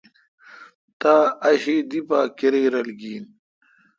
تا اک شی دی پا کری رل گین۔